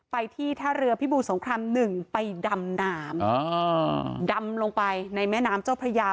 ที่ท่าเรือพิบูรสงครามหนึ่งไปดำน้ำดำลงไปในแม่น้ำเจ้าพระยา